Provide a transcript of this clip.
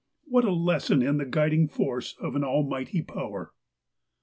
What a lesson of the guiding force of an almighty power